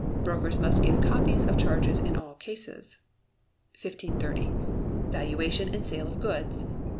Brokers must give copies of charges in all cases. 1530. Valuation and Sale of Goods.